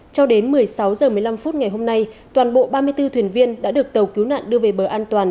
cho đến một mươi sáu h một mươi năm phút ngày hôm nay toàn bộ ba mươi bốn thuyền viên đã được tàu cứu nạn đưa về bờ an toàn